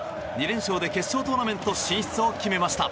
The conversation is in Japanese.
２連勝で決勝トーナメント進出を決めました。